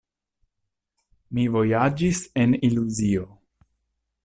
Mi vojaĝis en iluzio.